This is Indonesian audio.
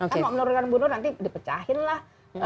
kan mau menurunkan bunuh nanti dipecahin lah